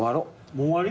もう終わり？